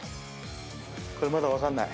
これまだ分かんない。